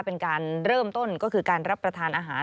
เป็นการเริ่มต้นก็คือการรับประทานอาหาร